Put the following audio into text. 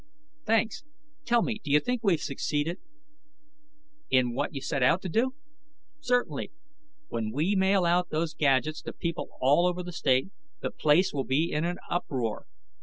"Thanks. Tell me, do you think we've succeeded?" "In what you set out to do? Certainly. When we mail out those gadgets to people all over the state, the place will be in an uproar.